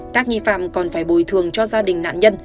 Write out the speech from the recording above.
các nghi phạm còn phải bồi thường cho gia đình nạn nhân